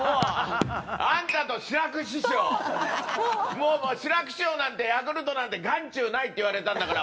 もう、志らく師匠なんてヤクルトなんて眼中ないって言われたんだから。